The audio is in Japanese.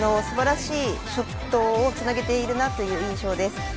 素晴らしいショットをつなげているという印象です。